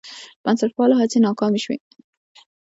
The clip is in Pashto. بنسټپالو هڅې ناکامې شوې.